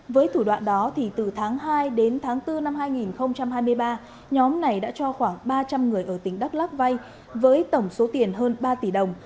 với thủ đoạn đó từ tháng hai đến tháng bốn năm hai nghìn hai mươi ba nhóm này đã cho khoảng ba trăm linh người ở tỉnh đắk lắc vay với tổng số tiền hơn ba tỷ đồng